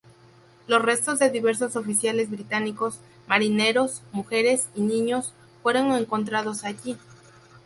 Los restos de diversos oficiales británicos, marineros, mujeres y niños, fueron encontrados allí.